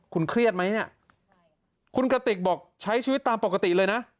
คุณเครียดไหมเนี่ยคุณกระติกบอกใช้ชีวิตตามปกติเลยนะ